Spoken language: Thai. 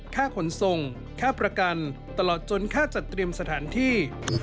ค่าขนส่งค่าประกันตลอดจนค่าจัดเตรียมสถานที่